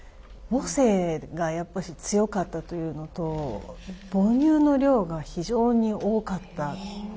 母性がやっぱし強かったというのと母乳の量が非常に多かった。